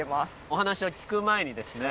お話を聞く前にですね